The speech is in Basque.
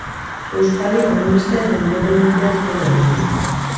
Euskadi komunista eta independentea zuen helburu.